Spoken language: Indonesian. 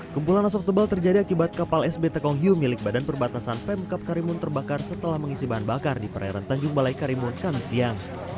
kumpulan asap tebal terjadi akibat kapal sbt kong hiu milik badan perbatasan pemkap karimun terbakar setelah mengisi bahan bakar di perairan tanjung balai karimun kami siang